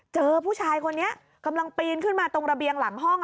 เจอผู้ชายคนนี้กำลังปีนขึ้นมาตรงระเบียงหลังห้อง